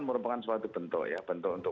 merupakan suatu bentuk ya bentuk untuk